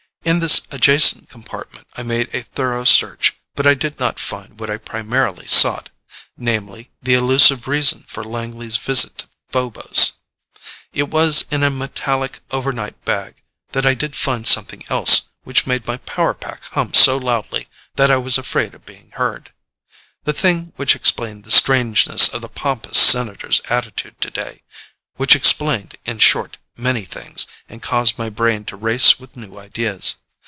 In this adjacent compartment I made a thorough search but I did not find what I primarily sought namely the elusive reason for Langley's visit to Phobos. It was in a metallic overnight bag that I did find something else which made my power pack hum so loudly that I was afraid of being heard. The thing which explained the strangeness of the pompous Senator's attitude today which explained, in short, many things, and caused my brain to race with new ideas.